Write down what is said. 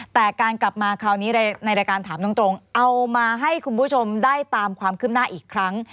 แต่การกลับมาคราวนี้ในรายการถามตรงเอามาให้คุณผู้ชมได้ตามความคืบหน้าอีกครั้ง